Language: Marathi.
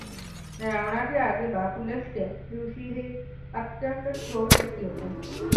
रावणाचे आजोबा पुलस्त्य ऋषी हे अत्यंत थोर व्यक्ती होते.